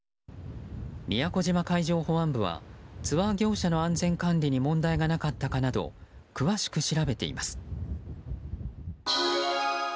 宮古島海上保安部はツアー業者の安全管理に問題がなかったかなど詳しく調べています。